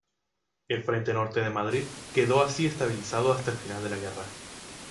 El frente norte de Madrid quedó así estabilizado hasta el final de la guerra.